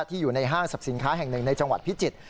อยู่ในห้างสรรพสินค้าแห่งหนึ่งในจังหวัดพิจิตร